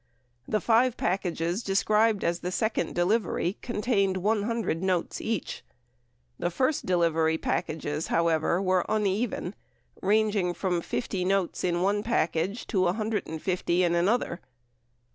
The 5 packages described as the second delivery con tained 100 notes each. The first delivery packages, however, were un even, ranging from 50 notes in one package to 150 in another.